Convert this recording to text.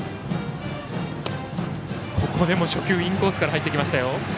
ここでも初球、インコースから入ってきましたよ。